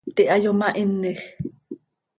Pti hayomahinej.